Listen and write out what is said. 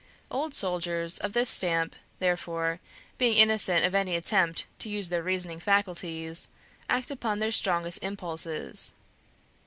Old soldiers of this stamp, therefore, being innocent of any attempt to use their reasoning faculties, act upon their strongest impulses.